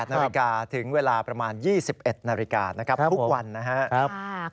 นาฬิกาถึงเวลาประมาณ๒๑นาฬิกานะครับทุกวันนะครับ